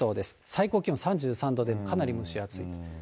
最高気温３３度で、かなり蒸し暑い。